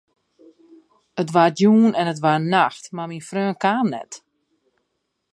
It waard jûn en it waard nacht, mar myn freon kaam net.